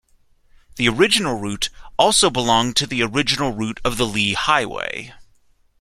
The original route also belonged to the original route of the Lee Highway.